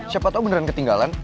siapa tau beneran ketinggalan